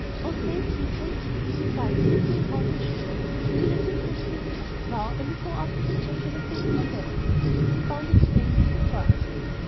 'Oh, thank you, thank you,' he cried, skipping round with joy. 'I feel a different creature. Now I will go after the jackal and pay him my debts.' And he bounded away into the forest.